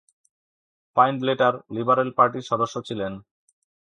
Findlater Liberal পার্টির সদস্য ছিলেন।